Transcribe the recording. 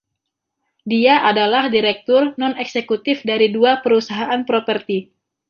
Dia adalah direktur non-eksekutif dari dua perusahaan properti.